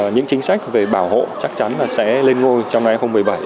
những chính sách về bảo hộ chắc chắn sẽ lên ngôi trong ngày hôm một mươi bảy